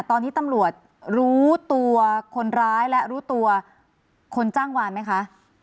ตอนนี้ตำรวจรู้ตัวคนร้ายและรู้ตัวคนจ้างวานไหมคะ